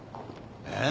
えっ？